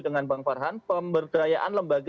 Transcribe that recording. dengan bang farhan pemberdayaan lembaga